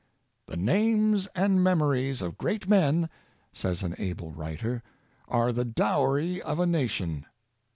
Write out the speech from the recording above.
" The names and memories of great men," says an able writer, " are the dowry of a nation.